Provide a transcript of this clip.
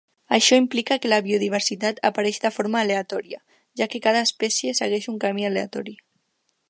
Això implica que la biodiversitat apareix de forma aleatòria, ja què cada espècie segueix un camí aleatori.